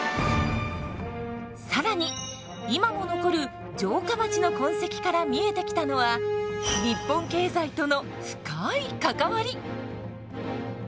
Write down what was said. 更に今も残る城下町の痕跡から見えてきたのは日本経済との深い関わり。